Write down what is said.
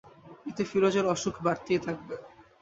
এতে ফিরোজের অসুখ বাড়তেই থাকবে।